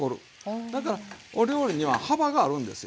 だからお料理には幅があるんですよ。